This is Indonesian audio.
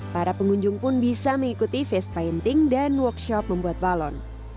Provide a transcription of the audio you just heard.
para pengunjung pun bisa mengikuti face painting dan workshop membuat balon